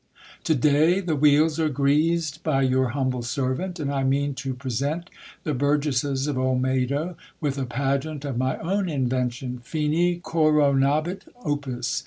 To day, the wheels are greased by your humble servant, and I mean to pre sent the burgesses of Olmedo with a pageant of my own invention — Finis coro nabit opi:s.